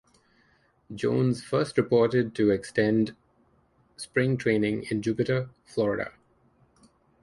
Jones first reported to extended spring training in Jupiter, Florida.